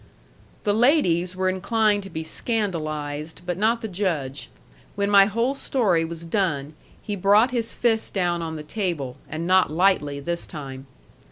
The ladies were inclined to be scandalized, but not the Judge. When my whole story was done, he brought his fist down on the table, and not lightly this time.